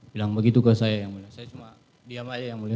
bilang begitu ke saya yang mulia saya cuma diam aja yang mulia